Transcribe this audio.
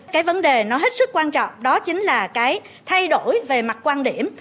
cái vấn đề nó hết sức quan trọng đó chính là cái thay đổi về mặt quan điểm